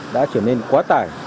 đã trở nên quá tải